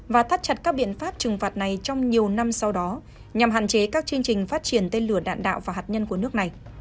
và thắt chặt các biện pháp trừng phạt này trong nhiều năm sau đó nhằm hạn chế các chương trình phát triển tên lửa đạn đạo và hạt nhân của nước này